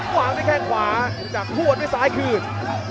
ความได้แค่ขวาจากพวกมันไปซ้ายคืน